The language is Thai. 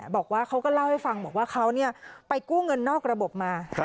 บอกว่าเขาก็เล่าให้ฟังบอกว่าเขาไปกู้เงินนอกระบบมา